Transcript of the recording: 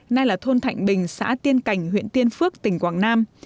nay là thôn thạnh bình xã tiên cảnh huyện tiên phước tỉnh quảng nam